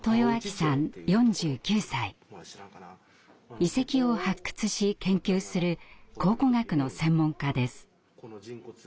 遺跡を発掘し研究する考古学の専門家です。